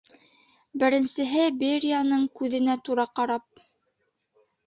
Беренсеһе Берияның күҙенә тура ҡарап: